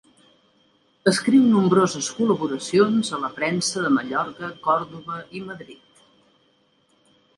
Escriu nombroses col·laboracions a la premsa de Mallorca, Còrdova i Madrid.